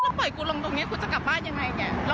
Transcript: แล้วมาไปกูลงตรงนี้กูจะกลับบ้ายังไงแล้วก็บอกว่า